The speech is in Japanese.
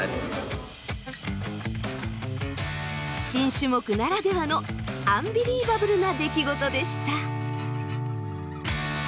新種目ならではのアンビリーバブルな出来事でした。